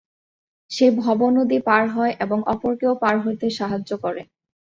সে ভবনদী পার হয়, এবং অপরকেও পার হইতে সাহায্য করে।